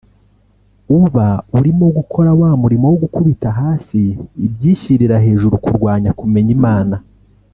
uba urimo gukora wa murimo wo gukubita hasi ibyishyirira hejuru kurwanya kumenya Imana